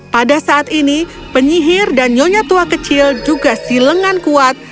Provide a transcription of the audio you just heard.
pada saat ini penyihir dan nyonya tua kecil juga silengan kuat